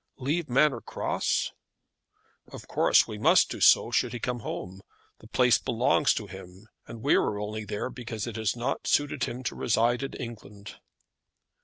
"Leave Manor Cross!" "Of course we must do so should he come home. The place belongs to him, and we are only there because it has not suited him to reside in England."